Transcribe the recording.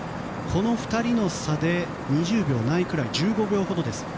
この２人の差で２０秒ないくらい１５秒ほどです。